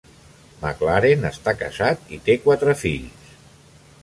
McLaren està casat i té quatre fills.